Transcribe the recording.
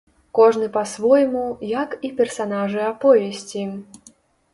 Кожны па-свойму, як і персанажы аповесці.